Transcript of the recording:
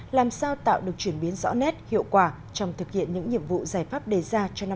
làm sao tạo được chuyển biến rõ nét hiệu quả trong thực hiện những nhiệm vụ giải pháp đề ra cho năm hai nghìn hai mươi